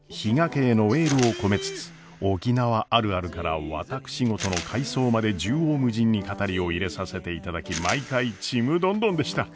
家へのエールを込めつつ沖縄あるあるから私事の回想まで縦横無尽に語りを入れさせていただき毎回ちむどんどんでした。